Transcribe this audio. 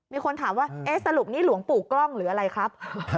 มีคนถามว่าเอ๊ะสรุปนี่หลวงปู่กล้องหรืออะไรครับ